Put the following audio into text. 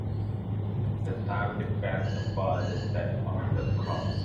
The time depends upon the state of the crops.